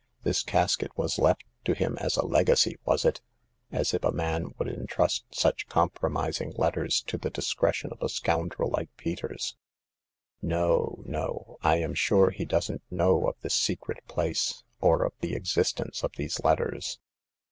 This casket was left to him as a legacy, was it ? As if a man would entrust such compromising letters to the discretion of a scoundrel like Peters ! No, no ; I am sure he doesn^t know of this secret place, or of the existence of these letters.